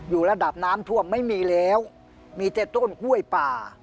ระดับน้ำท่วมไม่มีแล้วมีแต่ต้นกล้วยป่า